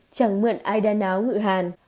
chẳng mượn ai đa náo ngự hàn